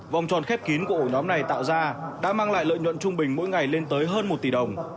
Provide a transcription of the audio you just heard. vòng tròn khép kín của ổ nhóm này tạo ra đã mang lại lợi nhuận trung bình mỗi ngày lên tới hơn một tỷ đồng